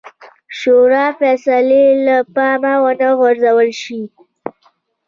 شورا فیصلې له پامه ونه غورځول شي.